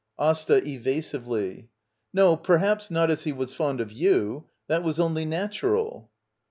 AsTA. [Evasively.] No, perhaps not as he was fond of you. That was only natural.